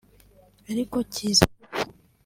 ariko kiza gupfa